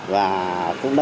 và cũng đã gửi xong minh